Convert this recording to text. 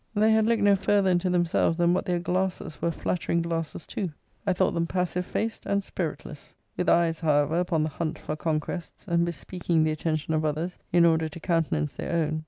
They had looked no farther into themselves than what their glasses were flattering glasses too; for I thought them passive faced, and spiritless; with eyes, however, upon the hunt for conquests, and bespeaking the attention of others, in order to countenance their own.